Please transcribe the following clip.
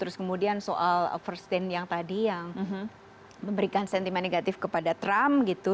terus kemudian soal overstain yang tadi yang memberikan sentimen negatif kepada trump gitu